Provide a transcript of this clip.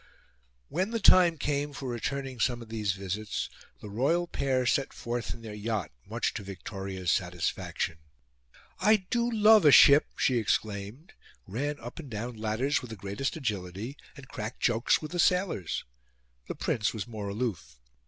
When the time came for returning some of these visits, the royal pair set forth in their yacht, much to Victoria's satisfaction. "I do love a ship!" she exclaimed, ran up and down ladders with the greatest agility, and cracked jokes with the sailors. The Prince was more aloof.